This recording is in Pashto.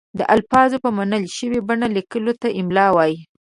د الفاظو په منل شوې بڼه لیکلو ته املاء وايي.